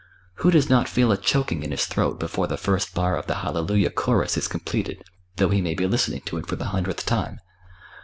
Who does not feel a choking in his throat before the first bar of the 'Hallelujah Chorus' is completed, though he may be listening to it for the hundredth time?